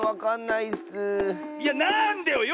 いやなんでよ